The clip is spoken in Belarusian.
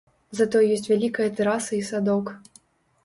Затое ёсць вялікая тэраса і садок.